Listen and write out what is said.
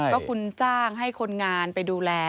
ก็คุณจ้างให้คนงานไปดูแล